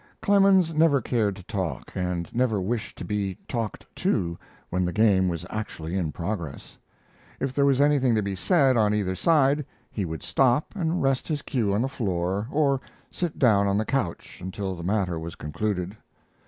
Clemens never cared to talk and never wished to be talked to when the game was actually in progress. If there was anything to be said on either side, he would stop and rest his cue on the floor, or sit down on the couch, until the matter was concluded.